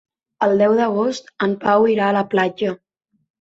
El deu d'agost en Pau irà a la platja.